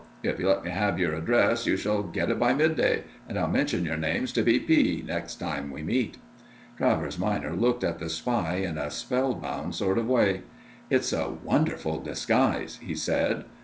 If you let me have your address, you shall get it by midday; and I'll mention your names to 'B. P.' next time we meet." Travers minor looked at the spy in a spellbound sort of way. "It's a wonderful disguise," he said.